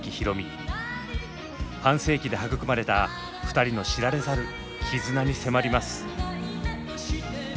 半世紀で育まれた２人の知られざる絆に迫ります。